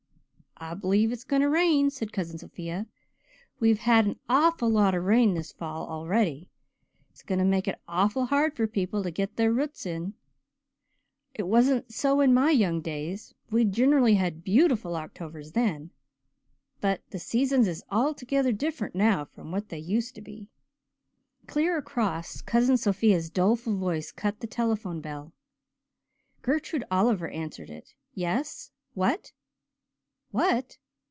"I b'lieve it's going to rain," said Cousin Sophia. "We have had an awful lot of rain this fall already. It's going to make it awful hard for people to get their roots in. It wasn't so in my young days. We gin'rally had beautiful Octobers then. But the seasons is altogether different now from what they used to be." Clear across Cousin Sophia's doleful voice cut the telephone bell. Gertrude Oliver answered it. "Yes what? What?